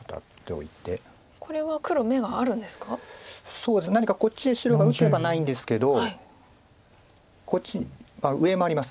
そうですね何かこっちへ白が打てばないんですけどこっちにあっ上もあります。